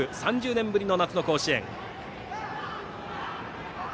３０年ぶりの夏の甲子園です。